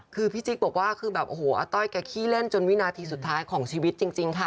คือพี่จิ๊กบอกว่าคือแบบโอ้โหอาต้อยแกขี้เล่นจนวินาทีสุดท้ายของชีวิตจริงค่ะ